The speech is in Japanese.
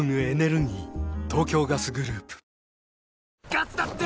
ガスだって！